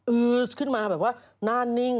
อืดขึ้นมาแบบว่าหน้านิ่ง